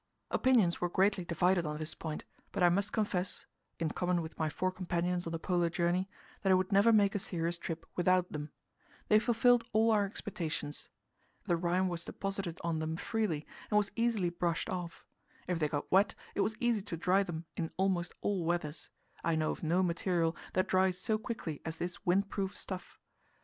Opinions were greatly divided on this point; but I must confess in common with my four companions on the Polar journey that I would never make a serious trip without them. They fulfilled all our expectations. The rime was deposited on them freely, and was easily brushed off. If they got wet, it was easy to dry them in almost all weathers; I know of no material that dries so quickly as this windproof stuff.